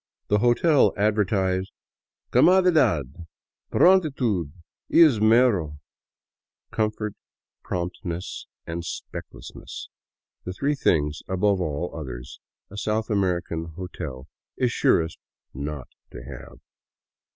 The hotel advertised " Comodidad, prontitud y esmero "—'' Com fort, promptness, and specklessness," — the three things above all others a South American hotel is surest not to have.